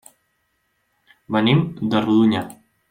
Venim de Rodonyà.